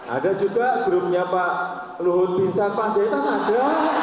ada juga grupnya pak luhut bin sar panjaitan ada